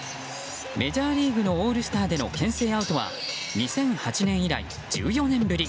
メジャーリーグのオールスターでの牽制アウトは２００８年以来１４年ぶり。